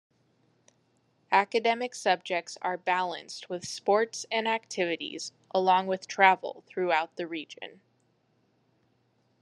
Academic subjects are balanced with sports and activities along with travel throughout the region.